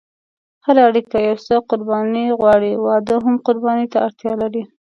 هره اړیکه یو څه قرباني غواړي، واده هم قرباني ته اړتیا لري.